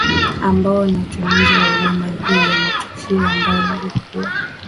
Ambao ni watumizi wa huduma hii na matukio ambayo yalikuwa